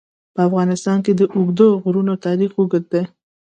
په افغانستان کې د اوږده غرونه تاریخ اوږد دی.